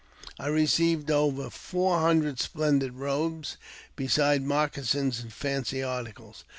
I received over four hundred splendid robes, besides moc casins and fancy articles.